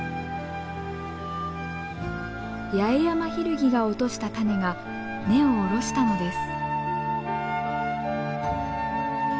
ヤエヤマヒルギが落としたタネが根を下ろしたのです。